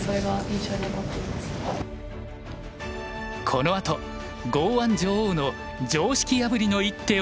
このあと剛腕女王の常識破りの一手をご紹介します。